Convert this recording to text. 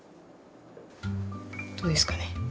どうですかね？